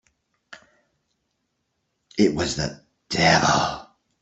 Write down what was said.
It was the devil!